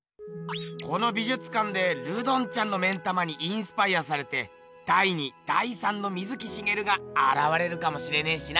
この美術館でルドンちゃんの目ん玉にインスパイアされて第２第３の水木しげるがあらわれるかもしれねえしな。